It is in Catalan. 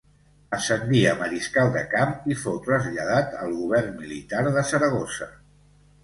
Ascendí a mariscal de camp i fou traslladat al govern militar de Saragossa.